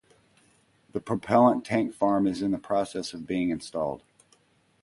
The propellant tank farm is in the process of being installed.